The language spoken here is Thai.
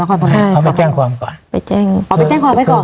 พม่าเขาไปแจ้งความก่อนไปแจ้งเอาไปแจ้งความไว้ก่อน